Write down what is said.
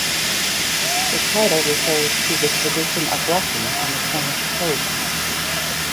The title refers to the tradition of wrecking on the Cornish coast.